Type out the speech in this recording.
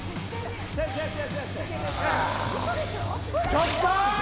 ちょっと！